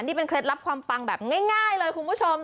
นี่เป็นเคล็ดลับความปังแบบง่ายเลยคุณผู้ชม